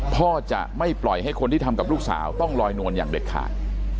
พ่อจะไม่ปล่อยให้คนที่ทำกับลูกสาวต้องลอยนวลอย่างเด็ดขาด